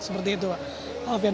seperti itu alfian